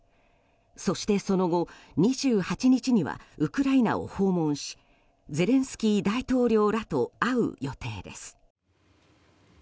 そしてその後、２８日にはウクライナを訪問しゼレンスキー大統領らと会う予定です。